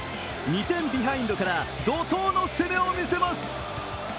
２点ビハインドから怒とうの攻めを見せます。